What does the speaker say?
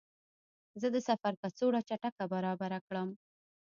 زه د سفر کڅوړه چټکه برابره کړم.